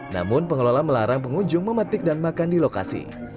namun pengelola melarang pengunjung memetik dan makan di lokasi